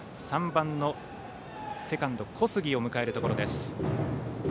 ３番セカンドの小杉を迎えるところです。